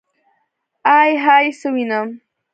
ائ هئ څه وينم.